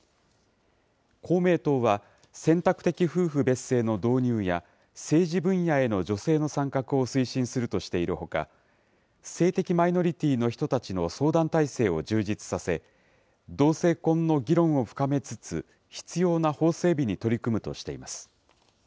公明党は選択的夫婦別姓の導入や、政治分野への女性の参画を推進するとしているほか、性的マイノリティーの人たちの相談体制を充実させ、同性婚の議論を深めつつ、必要な法整備に取り組むとしています。